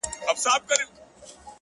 • را ژوندی سوی يم ـ اساس يمه احساس يمه ـ